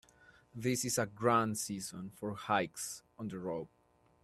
This is a grand season for hikes on the road.